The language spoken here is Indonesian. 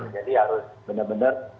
jadi harus benar benar